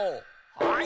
はい！